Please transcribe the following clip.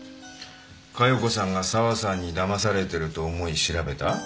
加代子さんが沢さんにだまされてると思い調べた？